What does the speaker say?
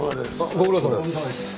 ご苦労さまです。